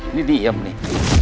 ini diam nih